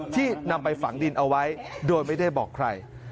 ที่นำไปฝังดินเอาไว้โดยไม่ได้บอกใคร